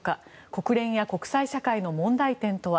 国連や国際社会の問題点とは。